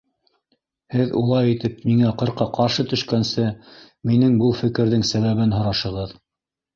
— Һеҙ улай итеп миңә ҡырҡа ҡаршы төшкәнсе, минең был фекерҙең сәбәбен һорашығыҙ.